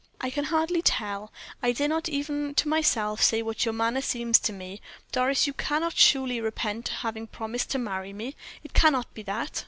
"I can hardly tell I dare not even to myself say what your manner seems to me. Doris, you cannot surely repent of having promised to marry me it cannot be that?"